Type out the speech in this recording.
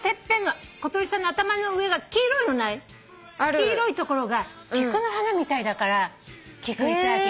黄色い所が菊の花みたいだからキクイタダキ。